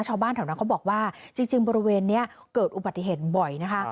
ชาวบ้านแถวนั้นเขาบอกว่าจริงบริเวณนี้เกิดอุบัติเหตุบ่อยนะคะ